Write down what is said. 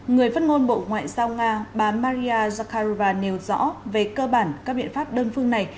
người phát ngôn bộ ngoại giao nga bà maria zakharova nêu rõ về cơ bản các biện pháp đơn phương này